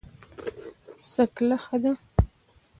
څکلا ښه ده.